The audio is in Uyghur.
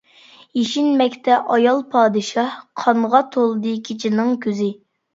يېشىنمەكتە ئايال پادىشاھ، قانغا تولدى كېچىنىڭ كۆزى.